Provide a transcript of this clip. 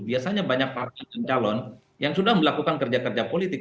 biasanya banyak partai dan calon yang sudah melakukan kerja kerja politik